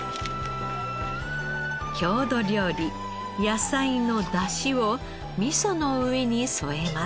郷土料理野菜の「だし」を味噌の上に添えます。